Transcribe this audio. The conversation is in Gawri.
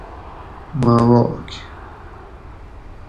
ماواک:-